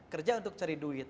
kerja untuk cari duit